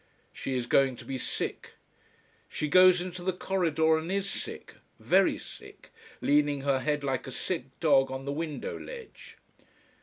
She is going to be sick. She goes into the corridor and is sick very sick, leaning her head like a sick dog on the window ledge.